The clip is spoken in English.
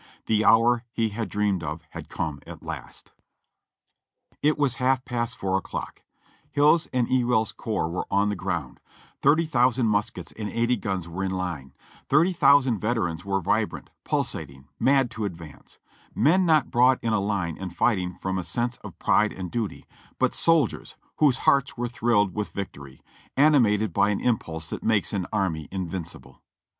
The hour he had dreamed of had come at last. It was half past four o'clock; Hill's and Ewell's corps were on the ground ; thirty thousand muskets and eighty guns were in line; thirty thousand veterans were vibrant, pulsating, mad to advance ; men not brought in a line and fighting from a sense of pride and duty, but soldiers whose hearts were thrilled with victory — animated by an impulse that makes an army invincible.